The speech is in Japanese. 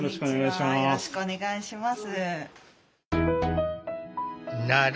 よろしくお願いします。